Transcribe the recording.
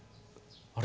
あれ？